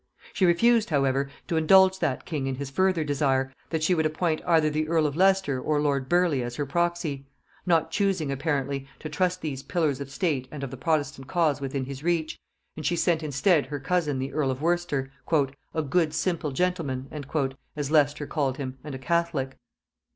She refused however to indulge that king in his further desire, that she would appoint either the earl of Leicester or lord Burleigh as her proxy; not choosing apparently to trust these pillars of state and of the protestant cause within his reach; and she sent instead her cousin the earl of Worcester, "a good simple gentleman," as Leicester called him, and a catholic.